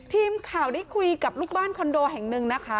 ทีมข่าวได้คุยกับลูกบ้านคอนโดแห่งหนึ่งนะคะ